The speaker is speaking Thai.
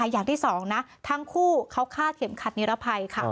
อย่างที่สองนะทั้งคู่เขาฆ่าเข็มขัดนิรภัยค่ะ